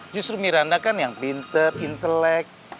justru miranda kan yang pinter intelek